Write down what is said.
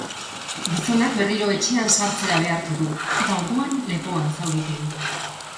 Gizonak berriro etxean sartzera behartu du, eta orduan lepoan zauritu du.